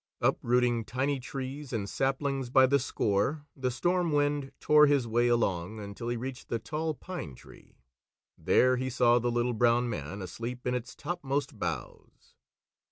Uprooting tiny trees and saplings by the score, the Storm Wind tore his way along until he reached the Tall Pine Tree. There he saw the Little Brown Man asleep in its topmost boughs.